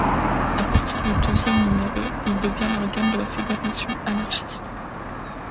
À partir du douzième numéro, il devient l'organe de la Fédération anarchiste.